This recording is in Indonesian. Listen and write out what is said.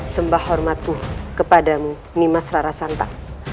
sembah hormatmu kepadamu nimas rara santa